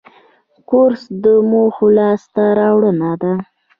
کورس د موخو لاسته راوړنه ده.